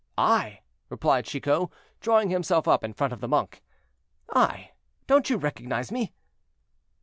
"I!" replied Chicot, drawing himself up in front of the monk; "I! don't you recognize me?"